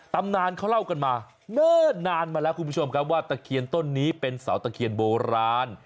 ตำนานเขาเล่ากันมาเนิ่นนานมาแล้วคุณผู้ชมครับว่าตะเคียนต้นนี้เป็นเสาตะเคียนโบราณ